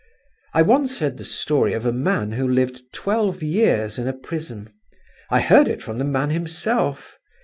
"I once heard the story of a man who lived twelve years in a prison—I heard it from the man himself.